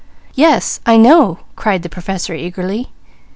"Yes I know," cried the Professor eagerly.